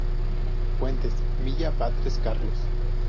Fuentes: Milla Batres, Carlos.